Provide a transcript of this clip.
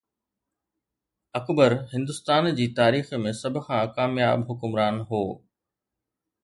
اڪبر هندستان جي تاريخ ۾ سڀ کان ڪامياب حڪمران هو.